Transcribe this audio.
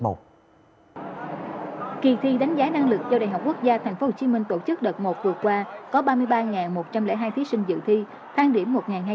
kỳ thi đánh giá năng lực do đại học quốc gia tp hcm tổ chức đợt một vừa qua có ba mươi ba một trăm linh hai thí sinh dự thi tăng điểm một hai